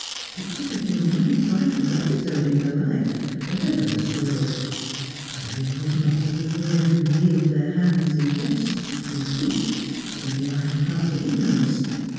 It could have been no trifling episode in her life, whatever the story; Irene was not of the women who yield their hands in jest, in pique, in lighthearted ignorance.